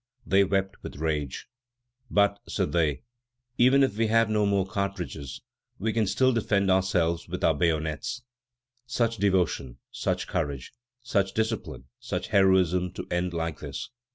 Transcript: They wept with rage. "But," said they, "even if we have no more cartridges, we can still defend ourselves with our bayonets!" Such devotion, such courage, such discipline, such heroism to end like this!